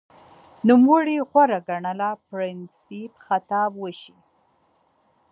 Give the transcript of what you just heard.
نوموړي غوره ګڼله پرنسېپ خطاب وشي